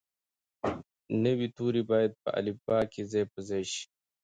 نوي توري باید په الفبې کې ځای پر ځای شي.